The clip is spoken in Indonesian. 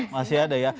masih ada ya